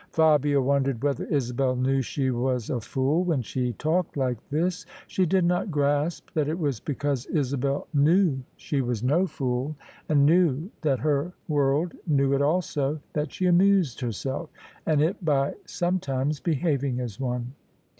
Fabia wondered whether Isabel knew she was a fool when she talked like this. She did not grasp that it was because Isabel knew she was no fool — ^and knew that her world knew it also — that she amused herself — and it — ^by some times behaving as one.